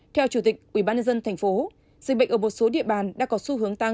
theo chủ tịch ubnd tp dịch bệnh ở một số địa bàn đã có xu hướng tăng